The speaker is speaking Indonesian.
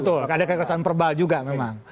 betul ada kekerasan verbal juga memang